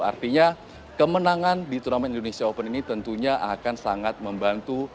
artinya kemenangan di turnamen indonesia open ini tentunya akan sangat membantu